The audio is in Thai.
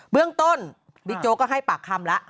เบื้องต้นบิ๊กโจ๊กก็ให้ปากคำแล้ว